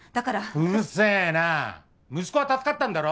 うるせぇな息子は助かったんだろ？